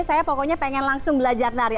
saya pokoknya pengen langsung belajar nari